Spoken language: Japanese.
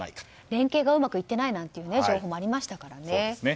連携がうまくいってないなんて情報もありましたからね。